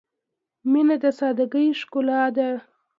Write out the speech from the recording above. • مینه د سادګۍ ښکلا ده.